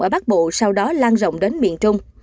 ở bắc bộ sau đó lan rộng đến miền trung